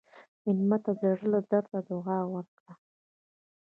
مېلمه ته د زړه له درده دعا ورکړه.